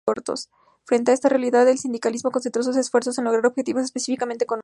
Frente a esta realidad, el sindicalismo concentró sus esfuerzos en lograr objetivos específicamente económicos.